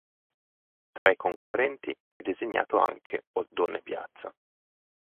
Tra i concorrenti è designato anche Oddone Piazza.